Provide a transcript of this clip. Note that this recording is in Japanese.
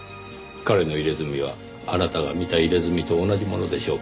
彼の入れ墨はあなたが見た入れ墨と同じものでしょうか？